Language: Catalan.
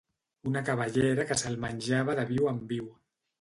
Una cabellera que se'l menjava de viu en viu